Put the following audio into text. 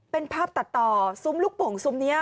เป็นภาพตัดต่อซุ้มลูกโป่งซุ้มนี้